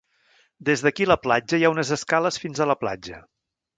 Des d'aquí a la platja hi ha unes escales fins a la platja.